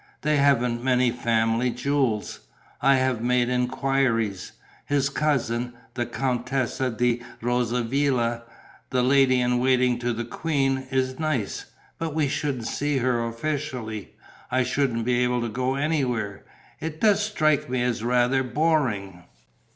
They haven't many family jewels. I have made enquiries.... His cousin, the Contessa di Rosavilla, the lady in waiting to the queen, is nice ... but we shouldn't see her officially. I shouldn't be able to go anywhere. It does strike me as rather boring."